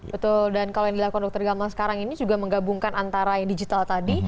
betul dan kalau yang dilakukan dr gamal sekarang ini juga menggabungkan antara yang digital tadi